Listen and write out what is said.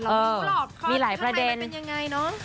เออมีหลายประเด็น